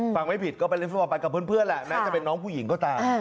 ไม่ผิดก็ไปเล่นฟุตบอลไปกับเพื่อนแหละแม้จะเป็นน้องผู้หญิงก็ตาม